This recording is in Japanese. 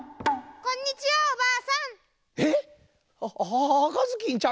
こんにちはおばあさん。